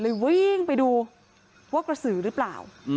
วิ่งไปดูว่ากระสือหรือเปล่า